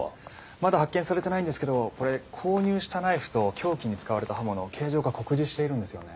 まだ発見されてないんですけどこれ購入したナイフと凶器に使われた刃物形状が酷似しているんですよね。